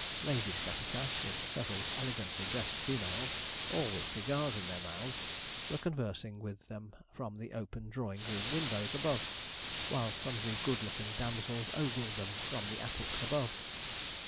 Lady Scattercash, with several elegantly dressed females, all with cigars in their mouths, were conversing with them from the open drawing room windows above, while sundry good looking damsels ogled them from the attics above.